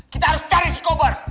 kita harus cari si kobar